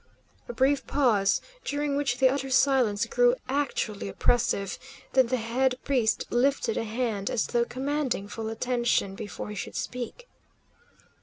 A brief pause, during which the utter silence grew actually oppressive, then the head priest lifted a hand as though commanding full attention before he should speak.